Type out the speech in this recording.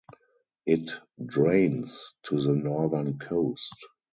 It drains to the northern coast.